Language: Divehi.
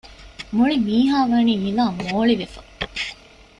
މުޅިމީހާވަނީ މިލާ މޯޅިވެފަ